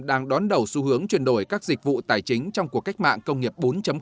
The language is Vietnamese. đang đón đầu xu hướng chuyển đổi các dịch vụ tài chính trong cuộc cách mạng công nghiệp bốn